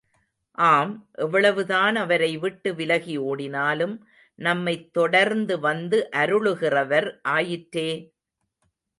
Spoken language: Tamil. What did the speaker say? ஆம், எவ்வளவுதான் அவரை விட்டு விலகி ஓடினாலும் நம்மைத் தொடர்ந்து வந்து அருளுகிறவர் ஆயிற்றே!